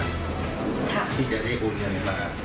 ได้เงินจนทันที่จะได้อุดยังไงคะ